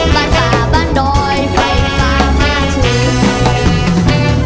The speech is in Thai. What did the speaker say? บ้านฝ่าบ้านดอยไฟฟ้าห้าถึง